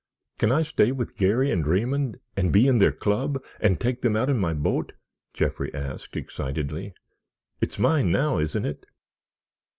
"Can I stay with Garry and Raymond and be in their club and take them out in my boat?" Jeffrey asked, excitedly; "it's mine now, isn't it?"